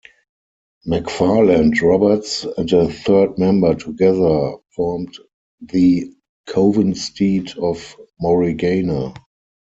McFarland, Roberts, and a third member together formed the Covenstead of Morrigana.